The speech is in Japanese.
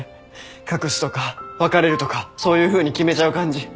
隠すとか別れるとかそういうふうに決めちゃう感じ。